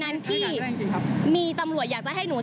แล้วตอนนี้คณะดิสเครดิตแน่นอนสิพี่เพราะหนูเสียหายอ่ะ